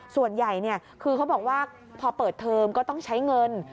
ส่วนใหญ่คือเขาบอกว่าพอเปิดเทอมก็ต้องใช้เงิน